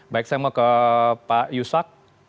baik saya mau ke pak yusak